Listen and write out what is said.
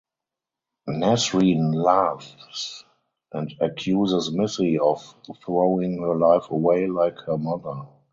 Nasreen laughs and accuses Missy of "throwing her life away" like her mother.